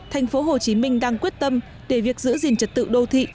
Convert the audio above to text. thành phố hồ chí minh đang quyết tâm để việc giữ gìn trật tự đô thị